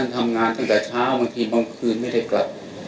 ทำงานตั้งแต่เช้าบางทีบางคืนไม่ได้กลับ